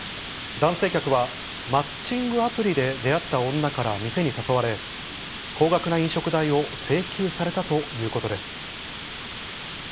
男性客はマッチングアプリで出会った女から店に誘われ、高額な飲食代を請求されたということです。